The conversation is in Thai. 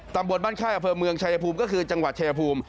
ตำบลบ้านค่ายอเภอเมืองชายภูมิก็คือจังหวัดชายภูมิ